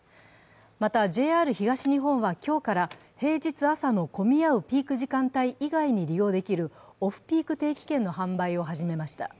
またＪＲ東日本は、今日から平日朝のピーク時間帯以外に利用できるオフピーク定期券の販売をはじめました。